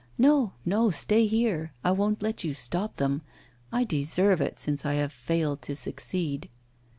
No, no, stay here, I won't let you stop them; I deserve it, since I have failed to succeed.